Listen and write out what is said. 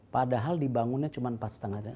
padahal dibangunnya cuma empat lima jam